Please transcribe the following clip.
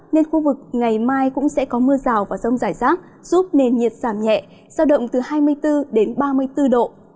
nên khu vực ngày mai cũng sẽ có mưa rào và rông rải rác giúp nền nhiệt giảm nhẹ giao động từ hai mươi bốn đến ba mươi bốn độ